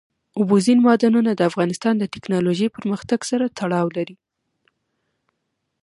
اوبزین معدنونه د افغانستان د تکنالوژۍ پرمختګ سره تړاو لري.